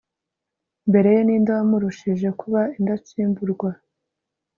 mbere ye, ni nde wamurushije kuba indatsimburwa